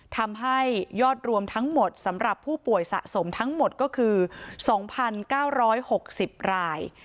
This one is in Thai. ทำให้ยอดรวมทั้งหมดสำหรับผู้ป่วยสะสมทั้งหมดก็คือ๒๙๖๐ราย